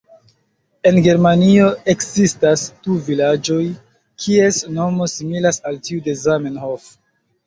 En Germanio ekzistas du vilaĝoj, kies nomo similas al tiu de "Zamenhof".